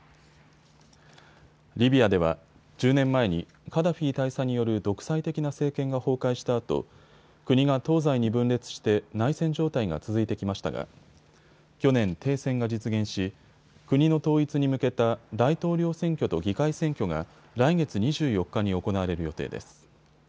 リビアでは１０年前にカダフィ大佐による独裁的な政権が崩壊したあと国が東西に分裂して内戦状態が続いてきましたが去年、停戦が実現し国の統一に向けた大統領選挙と議会選挙が来月２４日に行われる予定です。